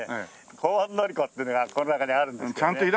香園教子っていうのがこの中にあるんですけどね。